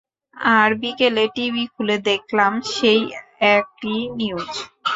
আর বিকেলে টিভি খুলে দেখলাম সেই একই নিউজ।